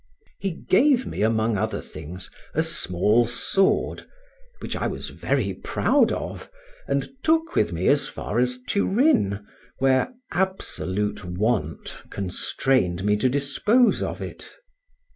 He gave me among other things, a small sword, which I was very proud of, and took with me as far as Turin, where absolute want constrained me to dispose of it.